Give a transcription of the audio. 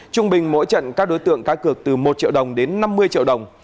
trung bình mỗi trận các đối tượng cá cược từ một triệu đồng đến năm mươi triệu đồng